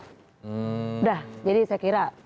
sudah jadi saya kira